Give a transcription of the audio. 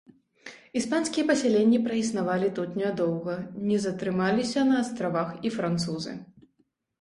Іспанскія пасяленні праіснавалі тут нядоўга, не затрымаліся на астравах і французы.